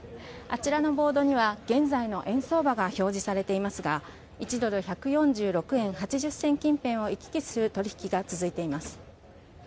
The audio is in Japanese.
あちらのボードには現在の円相場が表示されていますが１ドル１４６円８０銭近辺を行き来する取引が続いています。